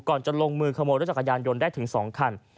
จะลงมือขโมยรถจักรยานยนต์ได้ถึง๒คัน